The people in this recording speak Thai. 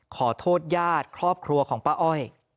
ขอโทษญาติครอบครัวของป้าอ้อย